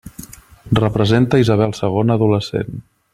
Representa Isabel segona adolescent.